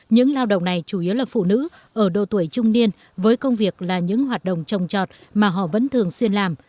những lao động này chủ yếu là phụ nữ ở độ tuổi trung niên với công việc là những hoạt động trồng trọt mà họ vẫn thường xuyên làm